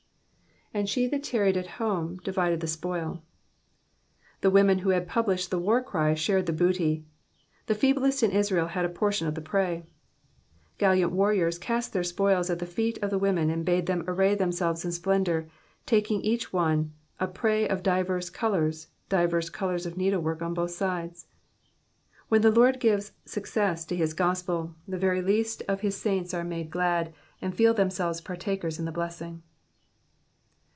^''And she that tarried at home divided the spoil.'''' The women who had pub lished the war cry shared the booty. The feeblest in Israel had a portion of the prey. Gallant warriors cast their spoils at the feet of the women and bade Digitized by VjOOQIC PSALM THE SIXTY EIGHTH. 219 them array themselves in splendour, taking each one '^ a prey of divers colours, of divers colours of needlework on both sides/* When the Lord gives success to his gospel, the very least of his saints are made glad and feel themselves par takers m the blessing.